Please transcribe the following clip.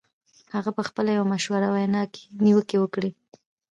هغه په خپله یوه مشهوره وینا کې نیوکې وکړې